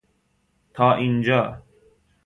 تا اینجا